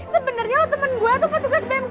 sebenernya lo temen gue atau petugas bmkg